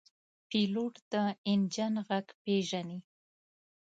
پیلوټ د انجن غږ پېژني.